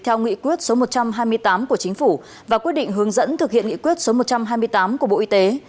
theo nghị quyết số một trăm hai mươi tám của chính phủ và quyết định hướng dẫn thực hiện nghị quyết số một trăm hai mươi tám của bộ y tế